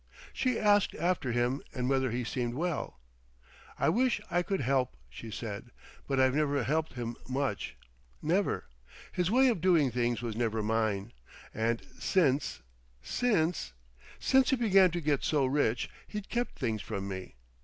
She asked after him, and whether he seemed well. "I wish I could help," she said. "But I've never helped him much, never. His way of doing things was never mine. And since—since—. Since he began to get so rich, he's kept things from me.